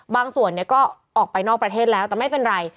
ส่วนใหญ่ก็ออกไปนอกประเทศแล้วแต่ไม่เป็นไร